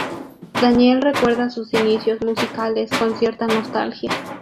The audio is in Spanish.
Daniel recuerda sus inicios musicales con cierta nostalgia.